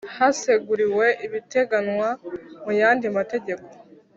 Haseguriwe ibiteganywa mu yandi mategeko